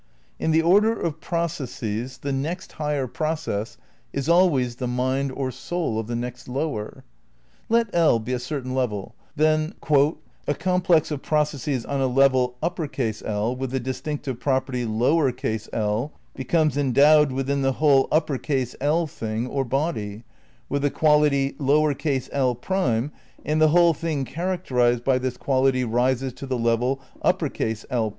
In the order of processes the next higher process is always the mind or soul of the next lower. Let L be a certain level, then "A complex of processes on a level L with the distinctive prop erty I becomes endowed within the whole L thing or body, with a quality I' and the whole thing characterised by this quality rises to the level L'.